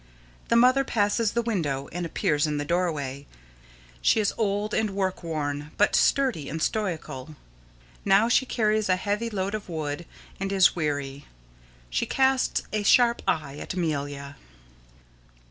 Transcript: The Mother passes the window and appears in the doorway. She is old and work worn, but sturdy and stoical. Now she carries a heavy load of wood, and is weary. She casts a sharp eye at Amelia.